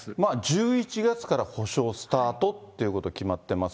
１１月から補償スタートってこと、決まってます。